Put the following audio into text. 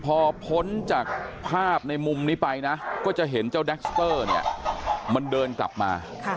พอพ้นจากภาพในมุมนี้ไปนะก็จะเห็นเจ้าเดกสเตอร์เดินกลับมา